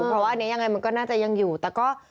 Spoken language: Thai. เพราะว่าอันนี้ยังไงมันก็น่าจะยังอยู่แต่ก็